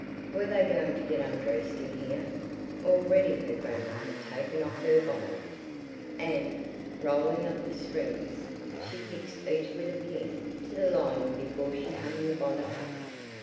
Were they going to get undressed in here? Already her grandma had taken off her bonnet, and, rolling up the strings, she fixed each with a pin to the lining before she hung the bonnet up.